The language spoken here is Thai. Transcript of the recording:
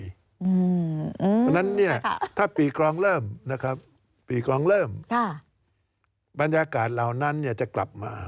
เพราะฉะนั้นเนี่ยถ้าปีกรองเริ่มนะครับปีกรองเริ่มบรรยากาศเหล่านั้นจะกลับมา